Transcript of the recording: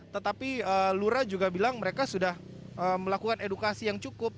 tetapi lura juga bilang mereka sudah melakukan edukasi yang cukup